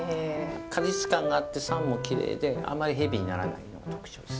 果実感があって酸もきれいであまりへビーにならないのが特徴です。